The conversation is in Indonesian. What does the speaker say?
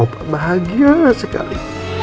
opa bahagia sekali